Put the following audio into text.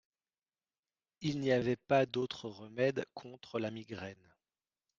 Il n'y avait pas d'autre remède contre la migraine.